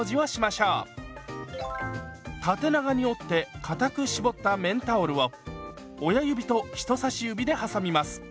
縦長に折ってかたく絞った綿タオルを親指と人さし指ではさみます。